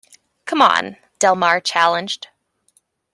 Come on, Del Mar challenged.